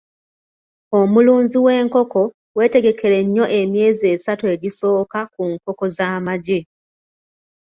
Omulunzi w'enkoko wetegekere nnyo emyezi esatu egisooka ku nkoko z'amagi.